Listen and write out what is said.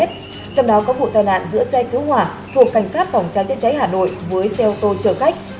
trong đó có vụ tai nạn giữa xe cứu hỏa thuộc cảnh sát phòng cháy chữa cháy hà nội với xe ô tô chở khách